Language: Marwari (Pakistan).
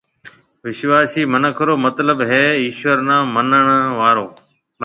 وِشواسي مِنک رو مطلب ھيََََ ايشوَر نَي منڻ آݪو مِنک۔